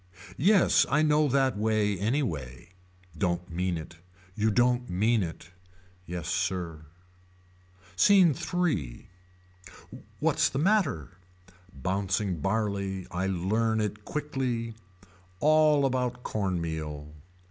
Yes I know that way anyway. Don't mean it. You don't mean it. Yes sir. SCENE III. What's the matter. Bouncing barley I learn it quickly. All about corn meal.